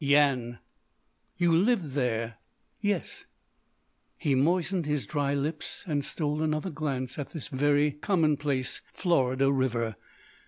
"Yian." "You lived there?" "Yes." He moistened his dry lips and stole another glance at this very commonplace Florida river.